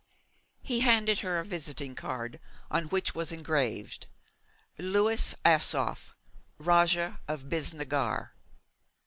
He handed her a visiting card on which was engraved 'Louis Asoph, Rajah of Bisnagar.'